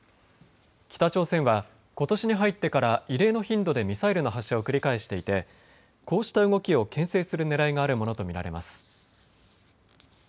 北朝鮮はことしに入ってから異例の頻度でミサイルの発射を繰り返していて、こうした動きをけん制するねらいがあるものと見られます。